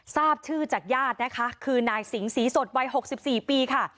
ทราบชื่อจากญาตินะคะคือนายสิงศรีสดวัย๖๔ปีค่ะ